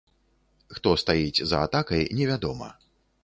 Хто стаіць за атакай, невядома.